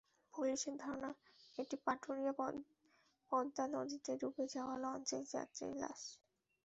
পুলিশের ধারণা, এটি পাটুরিয়ায় পদ্মা নদীতে ডুবে যাওয়া লঞ্চের যাত্রীর লাশ।